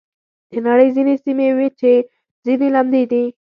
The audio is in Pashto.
د نړۍ ځینې سیمې وچې، ځینې لمدې دي.